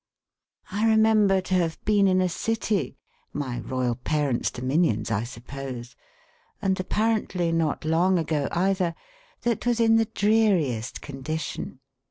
I remember to have been in a City (my Royal parent's dominions, I suppose), and apparently not long ago either, that was in the dreariest condition.